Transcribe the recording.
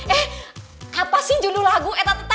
eh apa sih judul lagu eta tete